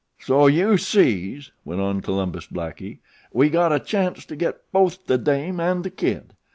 "So you sees," went on Columbus Blackie, "we got a chanct to get both the dame and The Kid.